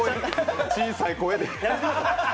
小さい声で。